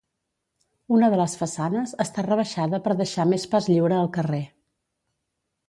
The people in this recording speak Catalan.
Una de les façanes està rebaixada per deixar més pas lliure al carrer.